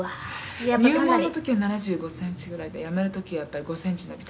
「入門の時は１７５センチぐらいで辞める時はやっぱり５センチ伸びて１８０ぐらいです」